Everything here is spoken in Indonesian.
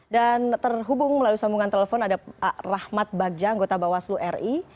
dan terhubung melalui sambungan telepon ada rahmat bagja anggota bawaslu ri